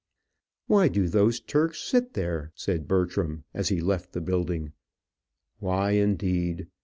"Why do those Turks sit there?" said Bertram, as he left the building. Why, indeed?